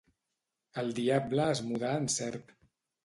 El diable es mudà en serp.